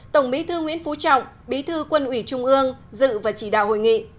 tổng bí thư nguyễn phú trọng bí thư quân ủy trung ương dự và chỉ đạo hội nghị